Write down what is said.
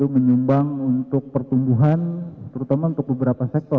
menyumbang untuk pertumbuhan terutama untuk beberapa sektor